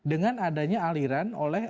dengan adanya aliran oleh